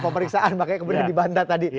pemeriksaan makanya kemudian dibanda tadi